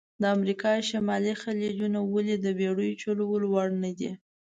د امریکا شمالي خلیجونه ولې د بېړیو چلول وړ نه دي؟